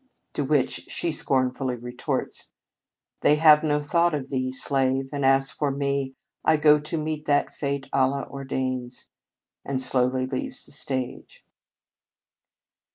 To which she scornfully retorts :" They have no thought of thee, slave ; and, as for me, I go to meet what fate Allah ordains: " and slowly leaves the stage.